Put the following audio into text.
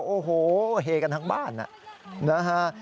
โอ้โหเฮกันทั้งบ้านนะฮะ